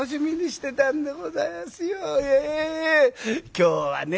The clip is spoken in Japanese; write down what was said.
今日はね